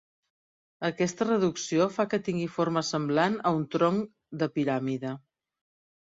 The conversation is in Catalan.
Aquesta reducció fa que tingui forma semblant a un tronc de piràmide.